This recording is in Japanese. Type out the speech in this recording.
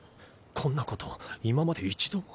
こんなこと今まで一度も。